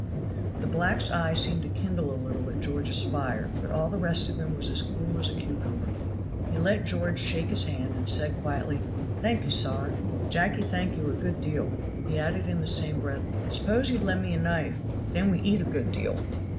The black's eye seemed to kindle a little at George's fire, but all the rest of him was as cool as a cucumber. He let George shake his hand and said quietly, "Thank you, sar! Jacky thank you a good deal!" he added in the same breath; "suppose you lend me a knife, then we eat a good deal."